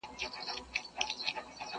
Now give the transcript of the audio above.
په زېور د علم و پوهي یې سینګار کړﺉ.